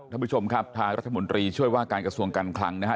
ท่านผู้ชมครับทางรัฐมนตรีช่วยว่าการกระทรวงการคลังนะฮะ